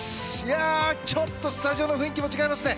ちょっとスタジオの雰囲気も違いますね。